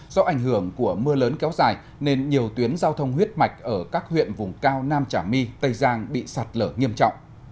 do ảnh hưởng của mưa lớn kéo dài nên nhiều tuyến giao thông huyết mạch ở các huyện vùng cao nam trà my tây giang bị sạt lở nghiêm trọng